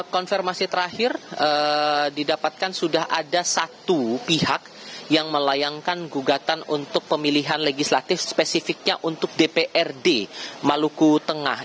konfirmasi terakhir didapatkan sudah ada satu pihak yang melayangkan gugatan untuk pemilihan legislatif spesifiknya untuk dprd maluku tengah